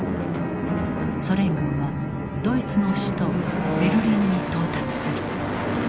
ソ連軍はドイツの首都ベルリンに到達する。